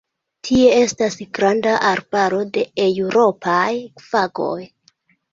Tie estas granda arbaro de eŭropaj fagoj.